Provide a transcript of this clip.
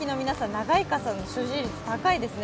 長い傘の所持率高いですね。